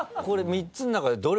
これ３つの中で。